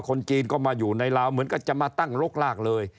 คนจีนก็มาอยู่ในลาวเหมือนกันจะมาตั้งรกลากเลย